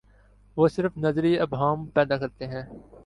وہ صرف نظری ابہام پیدا کرتے ہیں۔